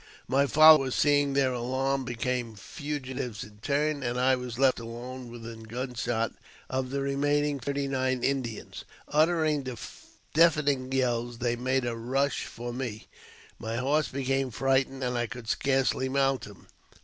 My followers, seeing their alarm, became fugitives in turn, and I was left alone within ^ gunshot of the remaining thirty nine Indians. Uttering deafen^ ing yells, they made a rush for me ; my horse became frightened: and I could scarcely mount him.